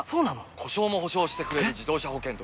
故障も補償してくれる自動車保険といえば？